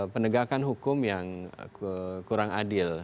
penegakan hukum yang kurang adil